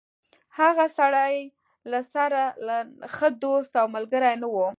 هغه سړی له سره ښه دوست او ملګری نه و.